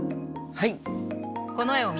はい。